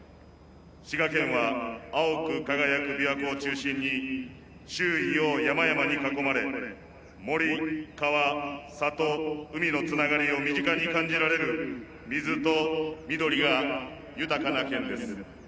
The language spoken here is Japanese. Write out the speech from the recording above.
滋賀県は青く輝く琵琶湖を中心に周囲を山々に囲まれ森川里海のつながりを身近に感じられる水と緑が豊かな県です。